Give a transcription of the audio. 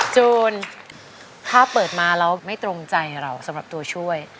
จูนถ้าเปิดมาแล้วไม่ตรงใจเราสำหรับตัวช่วย